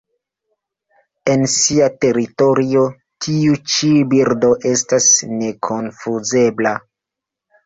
En sia teritorio, tiu ĉi birdo estas nekonfuzebla.